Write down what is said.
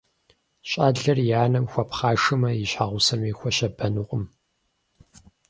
Щӏалэр и анэм хуэпхъашэмэ, и щхьэгъусэми хуэщабэнукъым.